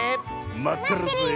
まってるぜえ。